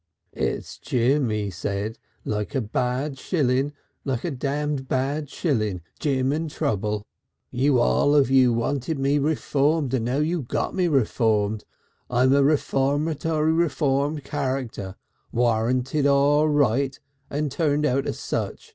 '" "'It's Jim,' he said. 'Like a bad shillin' like a damned bad shilling. Jim and trouble. You all of you wanted me Reformed and now you got me Reformed. I'm a Reformatory Reformed Character, warranted all right and turned out as such.